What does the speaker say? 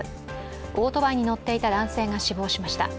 オートバイに乗っていた男性が死亡しました。